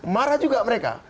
marah juga mereka